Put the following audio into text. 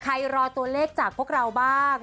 รอตัวเลขจากพวกเราบ้าง